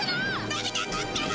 のび太くんから！